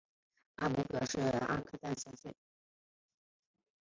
阿伯表示阿三在睡觉